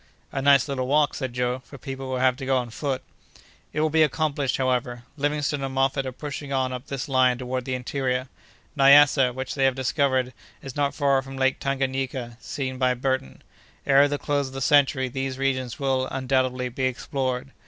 "A nice little walk," said Joe, "for people who have to go on foot." "It will be accomplished, however. Livingstone and Moffat are pushing on up this line toward the interior. Nyassa, which they have discovered, is not far from Lake Tanganayika, seen by Burton. Ere the close of the century these regions will, undoubtedly, be explored.